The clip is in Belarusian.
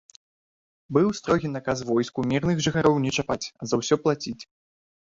Быў строгі наказ войску мірных жыхароў не чапаць, а за ўсё плаціць.